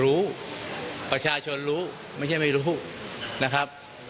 รู้ประชาชนรู้ไม่ใช่ไม่รู้นะครับ